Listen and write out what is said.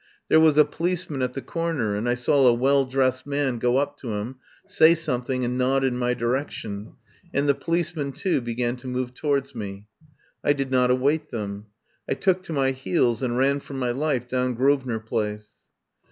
There was a policeman at the corner, and I saw a well dressed man go up to him, say something and nod in my direc tion, and the policeman too began to move towards me. I did not await them. I took to my heels and ran for my life down Grosvenor Place.